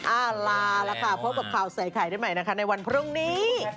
อ่าลาแล้วค่ะพบกับข่าวใส่ไข่ได้ใหม่นะคะในวันพรุ่งนี้